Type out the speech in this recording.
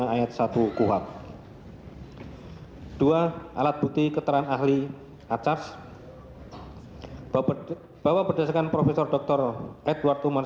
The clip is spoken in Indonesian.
ayat satu qhap dua alat bukti keterangan ahli acar bahwa berdasarkan profesor dr edward umar